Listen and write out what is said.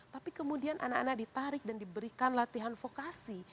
tapi kemudian anak anak ditarik dan diberikan latihan vokasi